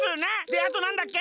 であとなんだっけ？